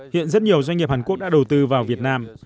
hiện rất nhiều doanh nghiệp hàn quốc đã đầu tư vào việt nam